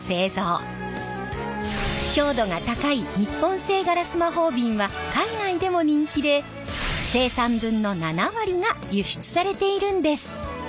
強度が高い日本製ガラス魔法瓶は海外でも人気で生産分の７割が輸出されているんです。